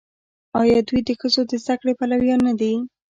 آیا دوی د ښځو د زده کړې پلویان نه دي؟